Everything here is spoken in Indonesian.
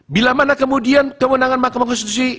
bila mana kemudian keundangan makam konstitusi